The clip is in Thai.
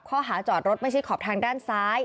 ข้อหาจอดรถไม่ใช่ขอบทางด้านซ้าย